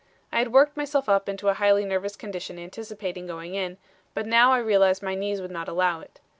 I had worked myself up into a highly nervous condition anticipating going in, but now I realized my knees would not allow it.